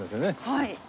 はい。